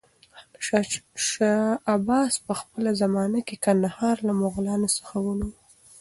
شاه عباس په خپله زمانه کې کندهار له مغلانو څخه ونيو.